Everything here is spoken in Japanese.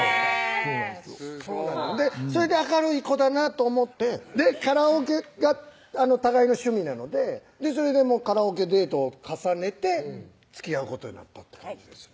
すごいそれで明るい子だなと思ってカラオケが互いの趣味なのでそれでカラオケデートを重ねてつきあうことになった感じですね